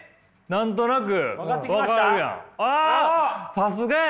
さすがや。